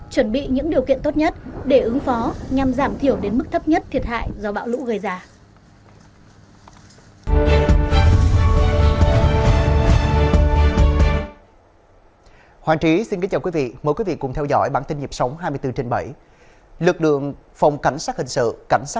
chuẩn bị những điều kiện tốt nhất để ứng phó nhằm giảm thiểu đến mức thấp nhất thiệt hại do bão lũ gây ra